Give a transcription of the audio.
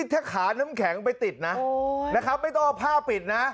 ถ้าขาน้ำแข็งไปติดนะนะครับไม่ต้องเอาผ้าปิดนะ